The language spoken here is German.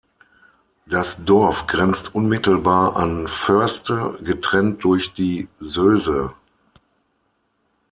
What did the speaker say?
Das Dorf grenzt unmittelbar an Förste, getrennt durch die Söse.